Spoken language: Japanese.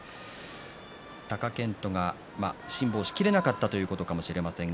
貴健斗が辛抱しきれなかったということかもしれません。